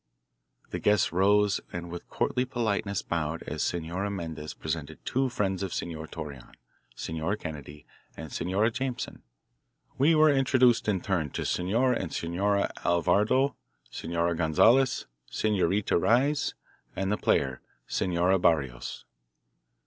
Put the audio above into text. The guests rose and with courtly politeness bowed as Senora Mendez presented two friends of Senor Torreon, Senor Kennedy and Senor Jameson. We were introduced in turn to Senor and Senora Alvardo, Senor Gonzales, Senorita Reyes, and the player, Senora Barrios.